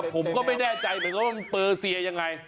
ผมก็ไม่แน่ใจเหมือนว่ามันเปลือเสียอย่างไร